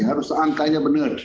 harus angkanya benar